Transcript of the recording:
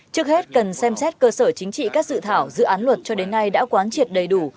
trước hết cần xem xét cơ sở chính trị các dự thảo dự án luật cho đến nay đã quán triệt đầy đủ